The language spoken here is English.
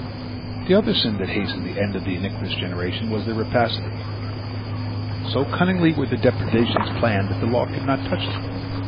" The other sin that hastened the end of the iniquitous generation was their rapacity. So cunningly were their depredations planned that the law could not touch them.